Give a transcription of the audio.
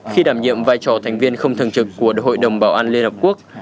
khi đảm nhiệm vai trò thành viên không thường trực của hội đồng bảo an liên hợp quốc